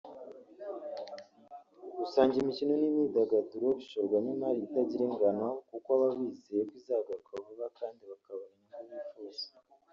usanga imikino n’imyidagaduro bishorwamo imari itagira ingano kuko baba bizeye ko izagaruka vuba kandi bakabona inyungu bifuza